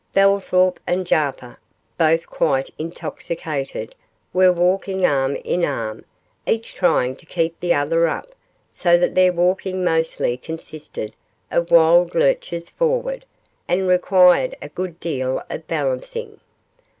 Bellthorp and Jarper, both quite intoxicated, were walking arm in arm, each trying to keep the other up, so that their walking mostly consisted of wild lurches forward, and required a good deal of balancing.